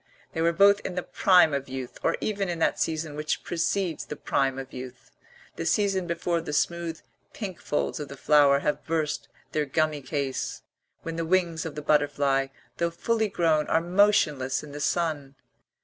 They were both in the prime of youth, or even in that season which precedes the prime of youth, the season before the smooth pink folds of the flower have burst their gummy case, when the wings of the butterfly, though fully grown, are motionless in the sun.